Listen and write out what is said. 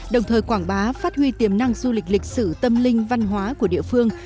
đồng thời quảng bá phát huy tiềm năng du lịch lịch sử tâm linh văn hóa của địa phương